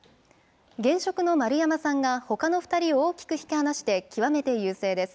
現職の丸山さんがほかの２人を大きく引き離して、極めて優勢です。